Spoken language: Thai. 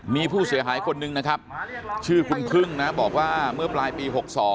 มีผู้เสียหายคนนึงนะครับชื่อคุณพึ่งนะบอกว่าเมื่อปลายปี๖๒